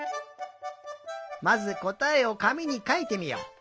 まずこたえをかみにかいてみよう。